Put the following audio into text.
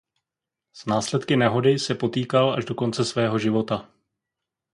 S následky nehody se potýkal až do konce svého života.